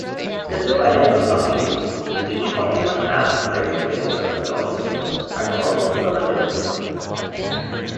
The two identical copies-each forming one half of the replicated chromosome-are called chromatids.